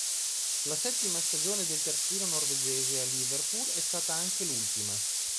La settima stagione del terzino norvegese a Liverpool è stata anche l'ultima.